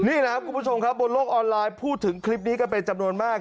นี่แหละครับคุณผู้ชมครับบนโลกออนไลน์พูดถึงคลิปนี้กันเป็นจำนวนมาก